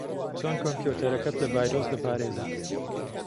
چۆن کۆمپیوتەرەکەت لە ڤایرۆس دەپارێزیت؟